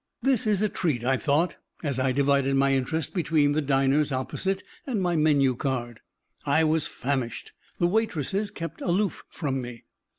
This is a treat, I thought, as I divided my interest between the diners opposite and my menu card. I was famished. The waitresses kept aloof from me.